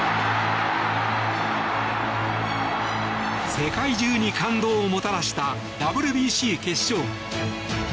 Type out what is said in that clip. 世界中に感動をもたらしたＷＢＣ決勝。